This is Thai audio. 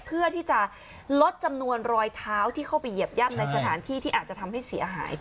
เพื่อที่จะลดจำนวนรอยเท้าที่เข้าไปเหยียบย่ำในสถานที่ที่อาจจะทำให้เสียหาย